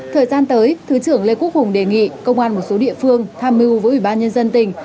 thời gian tới thứ trưởng lê quốc hùng đề nghị công an một số địa phương tham mưu với ủy ban nhân dân tỉnh